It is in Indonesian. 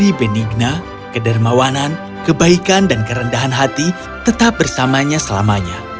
hadiah peri benigna kedermawanan kebaikan dan kerendahan hati tetap bersamanya selamanya